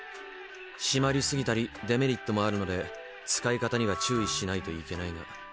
締まりすぎたりデメリットもあるので使い方には注意しないといけないが。